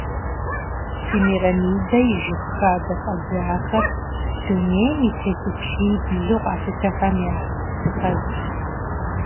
Семирамидэ и жыг хадэ фӀэдзахэр Дунейм и телъыджиблу къалъытахэм языхэзщ.